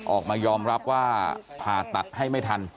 ออกมายอมรับว่าผ่าตัดให้ไม่ทัน